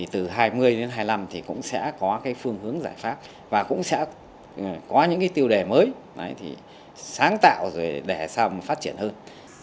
từ hai mươi hai mươi năm cũng sẽ có phương hướng giải pháp và cũng sẽ có những tiêu đè mới sáng tạo rồi đè xong phát triển hơn